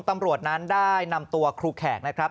ตำรวจนั้นได้นำตัวครูแขกนะครับ